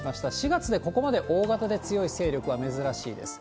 ４月でここまで大型で強い勢力は珍しいです。